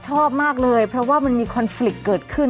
ชอบมากเลยเพราะว่ามันมีคอนฟลิกเกิดขึ้น